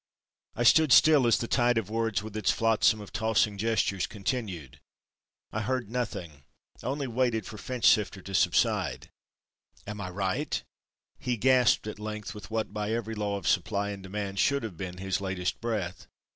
I stood still as the tide of words with its flotsam of tossing gestures, continued—I heard nothing. I only waited for Finchsifter to subside. "Am I right!" He gasped at length with what by every law of supply and demand should have been his latest breath.